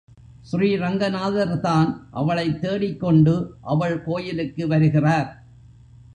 ஸ்ரீரங்கநாதர்தான் அவளைத் தேடிக்கொண்டு அவள் கோயிலுக்கு வருகிறார்.